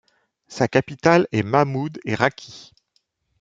Sa capitale est Mahmoud-é-Râqi.